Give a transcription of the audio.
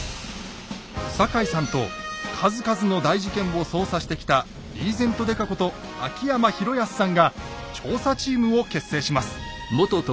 坂井さんと数々の大事件を捜査してきたリーゼント刑事こと秋山博康さんが調査チームを結成します。